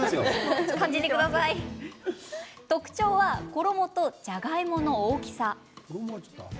特徴は衣と、じゃがいもの大きさ。